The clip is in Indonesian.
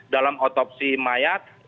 dalam otopsi mayat